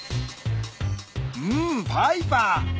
うんパイパー！